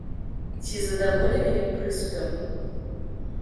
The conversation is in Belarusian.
Ці задаволены ён прысудам?